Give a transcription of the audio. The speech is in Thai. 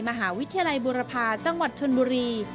มหาวิทยาลัยบุรพาจังหวัดชนบุรี